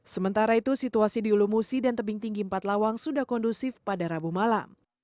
sementara itu situasi di ulumusi dan tebing tinggi empat lawang sudah kondusif pada rabu malam